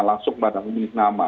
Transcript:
langsung pada memilih nama